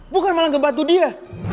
bukan malah ngebantu dia